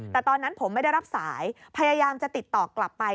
แต่ตอนนั้นผมไม่ได้รับสายพยายามจะติดต่อกลับไป